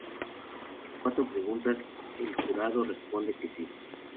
A estas cuatro preguntas el jurado responde que sí.